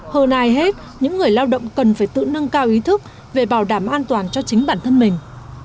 hơn ai hết những người lao động cần phải tự nâng cao ý thức về bảo đảm an toàn cho chính bản thân mình